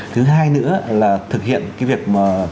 thứ hai nữa là thực hiện cái việc mà